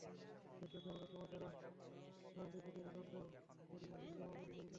ব্যবসায়টি স্থাপনের সময় তাঁরা স্মারকলিপি তৈরি করলেও পরিমেল নিয়মাবলি তৈরি করেননি।